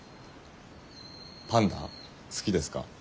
パンダ好きですか？